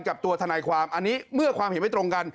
กับตัวทนายความอันนี้เมื่อความเห็นไม่ตรงกัน